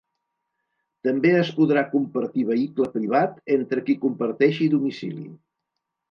També es podrà compartir vehicle privat entre qui comparteixi domicili.